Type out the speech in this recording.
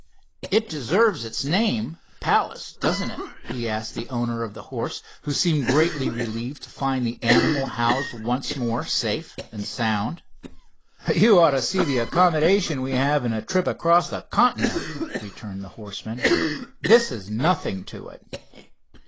"It deserves its name, 'Palace', doesn't it," he asked of the owner of the horse, who seemed greatly relieved to find the animal housed once more safe and sound. "You ought to see the accommodations we have in a trip across the continent," returned the horseman. "This is nothing to it."